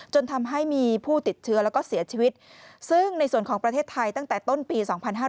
จนทำให้มีผู้ติดเชื้อแล้วก็เสียชีวิตซึ่งในส่วนของประเทศไทยตั้งแต่ต้นปี๒๕๕๙